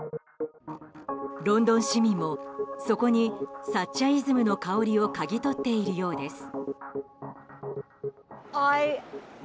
ロンドン市民も、そこにサッチャ−イズムの香りをかぎ取っているようです。